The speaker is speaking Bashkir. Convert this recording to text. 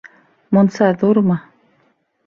Мунса ҙурмы?